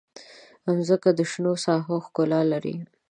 مځکه د شنو ساحو ښکلا لري.